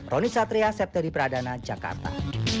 roni satria septari pradana jakarta